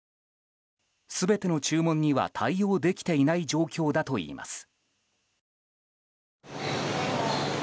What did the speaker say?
全ての注文には対応できていない状況だといいます。